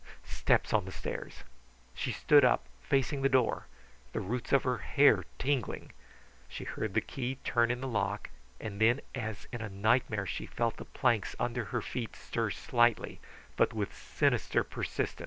Steps on the stairs! She stood up, facing the door, the roots of her hair tingling. She heard the key turn in the lock; and then as in a nightmare she felt the planks under her feet stir slightly but with sinister persistence.